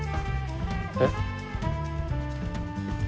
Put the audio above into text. えっ？